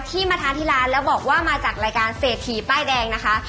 ที่มาทานที่ร้านแล้วบอกว่ามาจากรายการเศรษฐีป้ายแดงนะคะ